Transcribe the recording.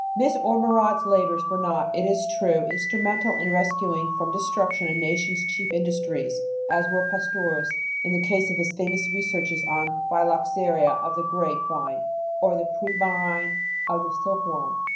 " Miss Ormerod's labors were not, it is true, instrumental in rescuing from destruction a nation's chief industries, as were Pasteur's in the case of his famous researches on the phyloxera of the grape vine or the pebrine of the silkworm.